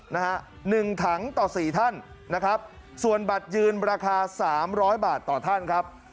นะฮะหนึ่งถังต่อสี่ท่านนะครับส่วนบัตรยืนราคาสามร้อยบาทต่อท่านครับ